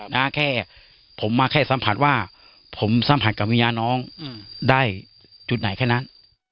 นะแค่ผมมาแค่สัมผัสว่าผมสัมผัสกับวิญญาณน้องได้จุดไหนแค่นั้น